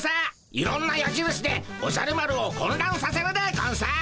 いろんなやじるしでおじゃる丸をこんらんさせるでゴンス。